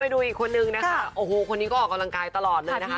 ดูอีกคนนึงนะคะโอ้โหคนนี้ก็ออกกำลังกายตลอดเลยนะคะ